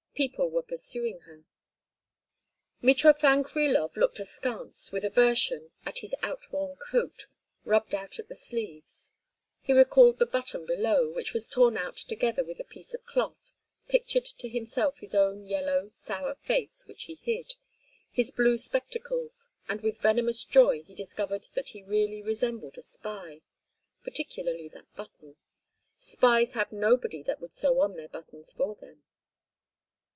People were pursuing her. Mitrofan Krilov looked askance, with aversion, at his outworn coat, rubbed out at the sleeves; he recalled the button below, which was torn out together with a piece of cloth, pictured to himself his own yellow, sour face, which he hid; his blue spectacles; and with venomous joy he discovered that he really resembled a spy. Particularly that button. Spies have nobody that would sew on their buttons for them.